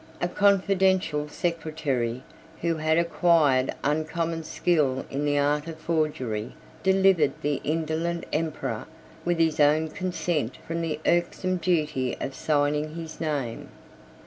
A confidential secretary, who had acquired uncommon skill in the art of forgery, delivered the indolent emperor, with his own consent from the irksome duty of signing his name.